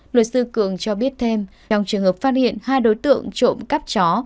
luật sư cường cho biết thêm trong trường hợp phát hiện hai đối tượng trộm cắp chó